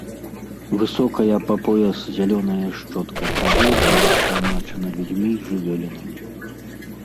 Высокая па пояс зялёная шчотка травы была скалмачана людзьмі і жывёлінамі.